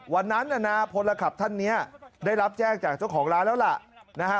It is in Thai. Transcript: วันนั้นน่ะนะพลขับท่านเนี่ยได้รับแจ้งจากเจ้าของร้านแล้วล่ะนะฮะ